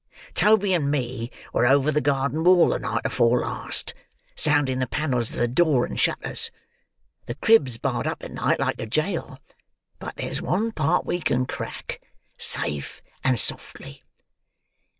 Toby and me were over the garden wall the night afore last, sounding the panels of the door and shutters. The crib's barred up at night like a jail; but there's one part we can crack, safe and softly."